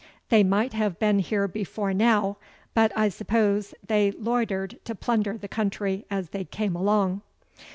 They might have been here before now, but, I suppose, they loitered to plunder the country as they came along."